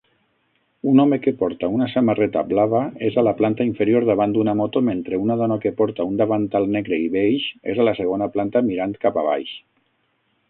Un home que porta una samarreta blava és a la planta inferior davant d'una moto mentre una dona que porta un davantal negre i beix és a la segona planta mirant cap a baix